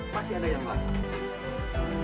masih ada yang lama